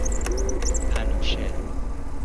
انوشه